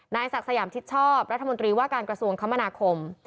ศักดิ์สยามชิดชอบรัฐมนตรีว่าการกระทรวงคมนาคม